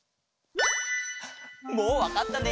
もうわかったね。